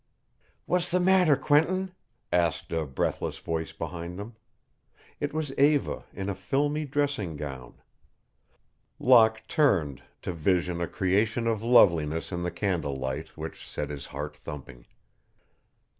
"What's the matter, Quentin?" asked a breathless voice behind them. It was Eva in a filmy dressing gown. Locke turned to vision a creation of loveliness in the candle light which set his heart thumping.